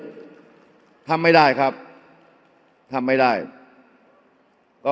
อย่าให้ลุงตู่สู้คนเดียว